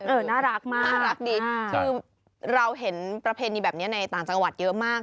น่ารักมากน่ารักดีคือเราเห็นประเพณีแบบนี้ในต่างจังหวัดเยอะมาก